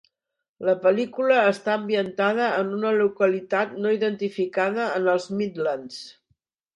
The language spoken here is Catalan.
La pel·lícula està ambientada en una localitat no identificada en els Midlands.